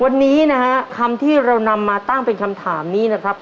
วันนี้นะฮะคำที่เรานำมาตั้งเป็นคำถามนี้นะครับ